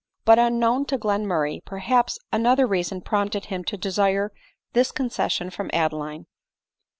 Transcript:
But unknown to Glenmurray, perhaps, another reason prompted him to desire this concession from Adeline.